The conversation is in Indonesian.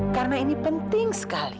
karena ini penting sekali